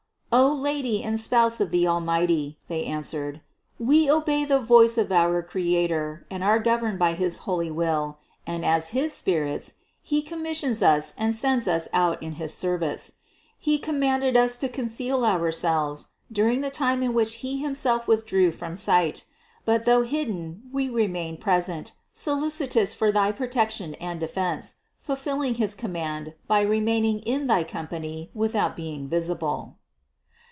"O Lady and Spouse of the Almighty," they answered, "we obey the voice of our Creator and are governed by his holy will, and as his spirits, He commissions us and sends us out in his service. He commanded us to conceal our selves during the time in which He himself withdrew from sight. But though hidden we remained present, solicitous for thy protection and defense, fulfilling his command by remaining in thy company without being visible."